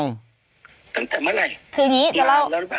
ตั้งแต่เมื่อไหร่นานแล้วหรือเปล่า